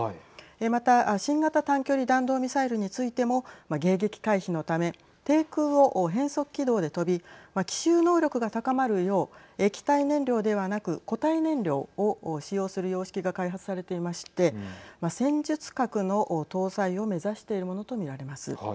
また、新型短距離弾道ミサイルについても迎撃回避のため低空を変則軌道で飛び奇襲能力が高まるよう液体燃料ではなく固体燃料を使用する様式が開発されていまして戦術核の搭載を目指しているものと見られます。